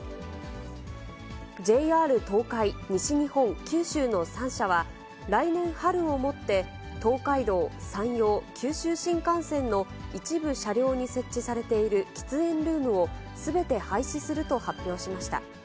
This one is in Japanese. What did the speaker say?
ＪＲ東海・西日本・九州の３社は、来年春をもって東海道・山陽・九州新幹線の一部車両に設置されている喫煙ルームを、すべて廃止すると発表しました。